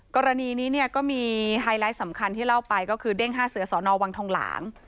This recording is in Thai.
กรณีนี้เนี่ยก็มีไฮไลท์สำคัญที่เล่าไปก็คือเด้ง๕เสือสอนอวังทองหลาง